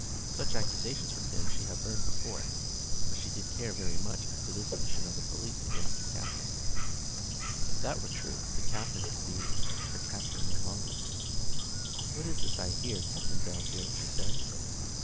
Such accusations from him she had heard before. But she did care very much as to this mission of the police against her Captain. If that were true, the Captain could be her Captain no longer. "What is this I hear, Captain Bellfield?" she said.